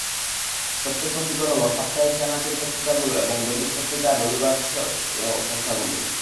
সবচেয়ে ক্ষতিকর হলো সাপ্তাহিক চানাচুর পত্রিকাগুলো এবং দৈনিক পত্রিকার রবিবাসরীয় সংখ্যাগুলো।